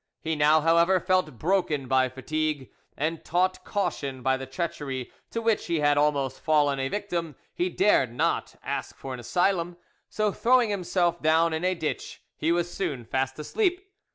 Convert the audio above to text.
He now, however, felt broken by fatigue, and taught caution by the treachery to which he had almost fallen a victim, he dared not ask for an asylum, so, throwing himself down in a ditch, he was soon fast asleep.